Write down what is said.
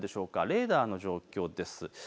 レーダーの状況です。